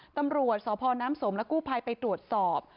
ตำรวจสพน้ำสมและกู้ภัยไปตรวจสอบ